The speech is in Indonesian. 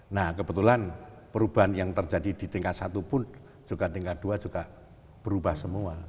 nah kebetulan perubahan yang terjadi di tingkat satu pun juga tingkat dua juga berubah semua